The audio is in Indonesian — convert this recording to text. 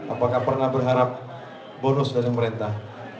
apakah pernah berharap bonus dari pemerintah